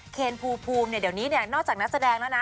เคนภูมิเนี่ยเดี๋ยวนี้เนี่ยนอกจากนักแสดงแล้วนะ